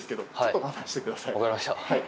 分かりました。